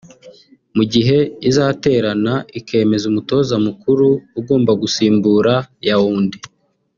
mu gihe izaterana ikemeza umutoza mukuru ugomba gusimbura Yaounde